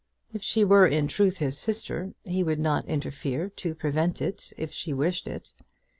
If she were in truth his sister he would not interfere to prevent it if she wished it.